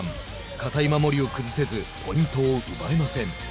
堅い守りを崩せずポイントを奪えません。